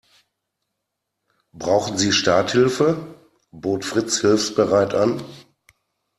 Brauchen Sie Starthilfe?, bot Fritz hilfsbereit an.